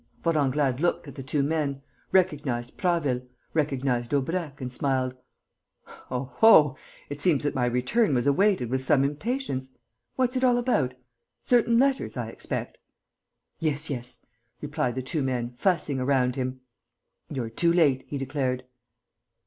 Vorenglade looked at the two men, recognized Prasville, recognized Daubrecq, and smiled: "Oho, it seems that my return was awaited with some impatience! What's it all about? Certain letters, I expect?" "Yes ... yes ..." replied the two men, fussing around him. "You're too late," he declared.